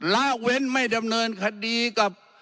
ละเว้นไม่ดำเนินคดีกับ